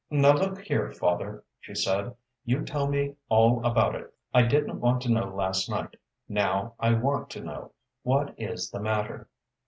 "Now look here, father," she said, "you tell me all about it. I didn't want to know last night. Now I want to know. What is the matter?"